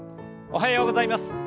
おはようございます。